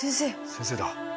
先生だ。